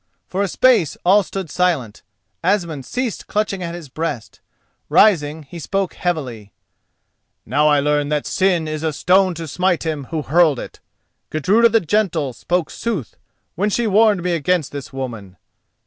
For a space all stood silent. Asmund ceased clutching at his breast. Rising he spoke heavily: "Now I learn that sin is a stone to smite him who hurled it. Gudruda the Gentle spoke sooth when she warned me against this woman.